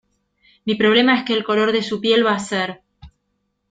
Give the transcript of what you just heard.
mi problema es que el color de su piel va a ser